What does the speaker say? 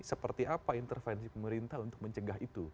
seperti apa intervensi pemerintah untuk mencegah itu